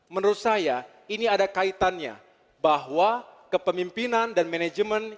menurut saya ini ada kaitannya bahwa kepemimpinan dan manajemen